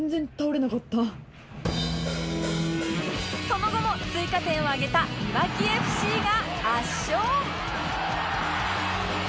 その後も追加点を挙げたいわき ＦＣ が圧勝！